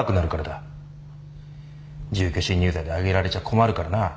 住居侵入罪で挙げられちゃ困るからな。